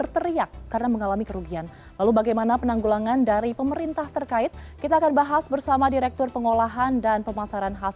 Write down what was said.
terima kasih atas waktunya